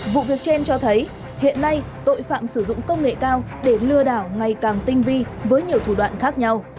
vụ việc trên cho thấy hiện nay tội phạm sử dụng công nghệ cao để lừa đảo ngày càng tinh vi với nhiều thủ đoạn khác nhau